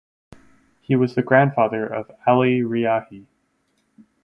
He was the grandfather of Ali Riahi.